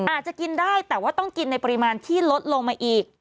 อาจจะกินได้แต่ว่าต้องกินในปริมาณที่ลดลงมาอีก